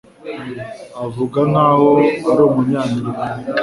Avuga nkaho ari Umunyamerika